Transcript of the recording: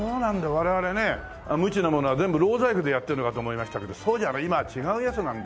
我々ね無知な者は全部ろう細工でやってるのかと思いましたけどそうじゃない今は違うやつなんだ。